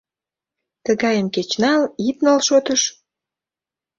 Тыгайым кеч нал, ит нал шотыш